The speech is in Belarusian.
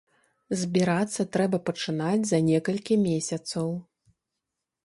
Збірацца трэба пачынаць за некалькі месяцаў.